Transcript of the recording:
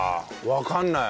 わかんない？